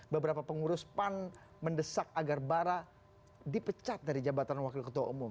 beberapa pengurus pan mendesak agar bara dipecat dari jabatan wakil ketua umum